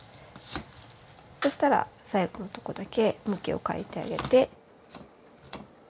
そうしたら最後のとこだけ向きを変えてあげて。